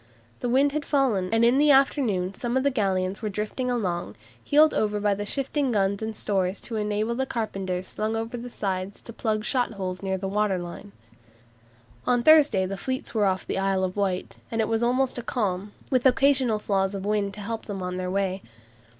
The wind had fallen, and in the afternoon some of the galleons were drifting along, heeled over by shifting guns and stores to enable the carpenters slung over the sides to plug shot holes near the waterline. On Thursday the fleets were off the Isle of Wight, and it was almost a calm, with occasional flaws of wind to help them on their way.